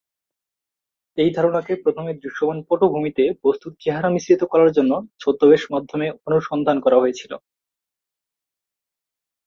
এই ধারণাকে প্রথমে দৃশ্যমান পটভূমিতে বস্তুর চেহারা মিশ্রিত করার জন্য ছদ্মবেশ মাধ্যমে অনুসন্ধান করা হয়েছিল।